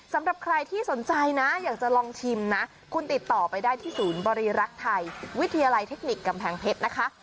สำหรับใครที่สนใจนะอยากจะลองชิมนะคุณติดต่อไปได้ที่ศูนย์บริรักษ์ไทยวิทยาลัยเทคนิคกำแพงเพชรนะคะ